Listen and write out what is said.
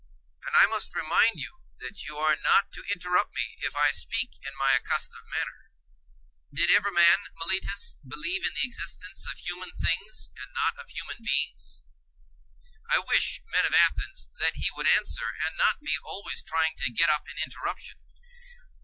And I must remind you that you are not to interrupt me if I speak in my accustomed manner. Did ever man, Meletus, believe in the existence of human things, and not of human beings?… I wish, men of Athens, that he would answer, and not be always trying to get up an interruption.